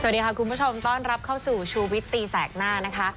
สวัสดีค่ะคุณผู้ชมรับเข้าสู่สาธารณะนะคะ